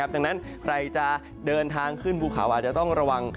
ดังนั้นใครจะเดินทางขึ้นภูเขาอาจจะต้องระวัง